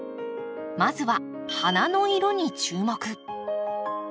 まずは花の色に注目！